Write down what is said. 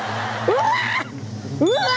うわ！